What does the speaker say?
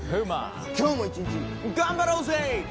今日も１日頑張ろうぜ！